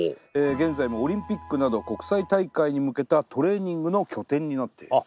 現在もオリンピックなど国際大会に向けたトレーニングの拠点になっている。